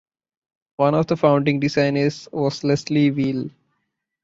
One of the founding designers was Lesley Wheel.